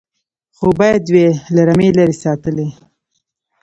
خو باید وي له رمې لیري ساتلی